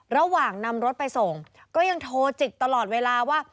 ระหว่างนำรถไปส่งก็ยังโทรจิกตลอดเวลาว่า